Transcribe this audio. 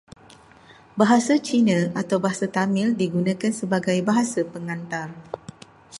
Bahasa Cina atau Bahasa Tamil digunakan sebagai bahasa pengantar.